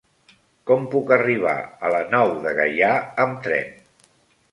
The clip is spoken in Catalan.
Com puc arribar a la Nou de Gaià amb tren?